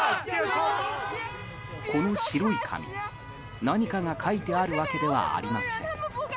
この白い紙、何かが書いてあるわけではありません。